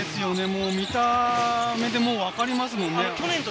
見た目でわかりますもんね。